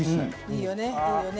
いいよね。